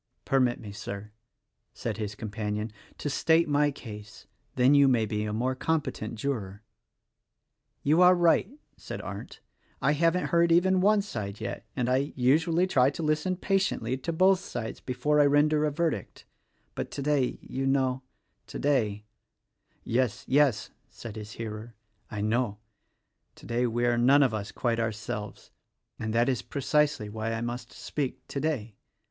"Permit me, Sir," said his companion, "to state my case, — then you may be a more competent juror." "You are right," said Arndt, "I haven't heard even one side yet; and I, usually, try to listen patiently to both sides before I render a verdict; but, today, you know — today—" "Yes, yes!" said his hearer, "I know. Today, we are none of us quite ourselves, and that is precisely why I must speak today.